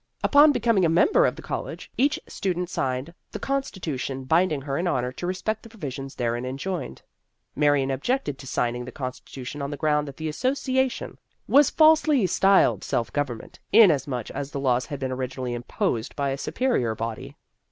Upon becoming a member of the college, each student signed the con stitution binding her in honor to respect the provisions therein enjoined. Marion objected to signing the constitution on the ground that the Association was falsely styled self government, inasmuch as the laws had been originally imposed The Career of a Radical 107 by a superior body.